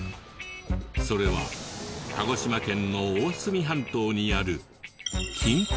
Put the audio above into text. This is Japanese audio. それは鹿児島県の大隅半島にある錦江町に。